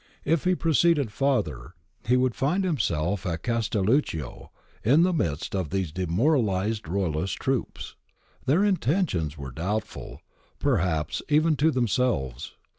If he proceeded farther, he would find himself at Castel luccio in the midst of these demoralised Royalist troops. Their intentions were doubtful, perhaps even to them selves.